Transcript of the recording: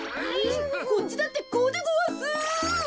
こっちだってこうでごわす。